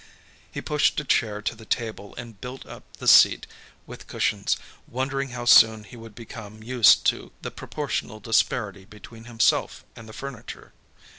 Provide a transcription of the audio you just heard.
He pushed a chair to the table and built up the seat with cushions, wondering how soon he would become used to the proportional disparity between himself and the furniture.